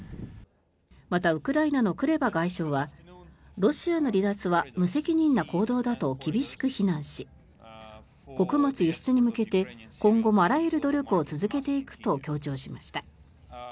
また、ウクライナのクレバ外相はロシアの離脱は無責任な行動だと厳しく非難し穀物輸出に向けて今後もあらゆる努力を続けていくと強調しました。